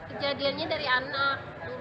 kejadiannya dari anak